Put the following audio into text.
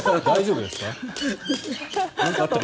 大丈夫ですか？